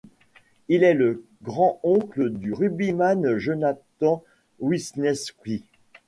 Il est le grand-oncle du rugbyman Jonathan Wisniewski.